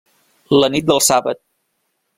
La nit del sàbat.